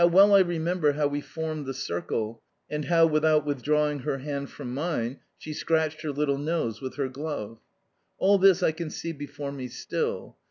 How well I remember how we formed the circle, and how, without withdrawing her hand from mine, she scratched her little nose with her glove! All this I can see before me still.